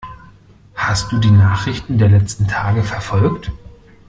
Hast du die Nachrichten der letzten Tage verfolgt?